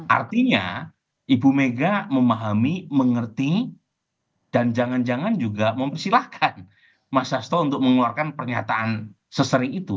artinya ibu mega memahami mengerti dan jangan jangan juga mempersilahkan mas sasto untuk mengeluarkan pernyataan sesering itu